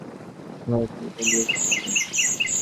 আজ মঙ্গলবার দুপুরে মা শ্রাবন্তীকে এভাবে সান্ত্বনা দিয়েছে সে।